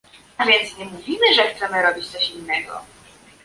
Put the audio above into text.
A więc nie mówimy, że chcemy robić coś innego